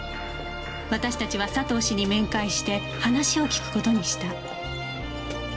私たちは佐藤氏に面会して話を聞く事にした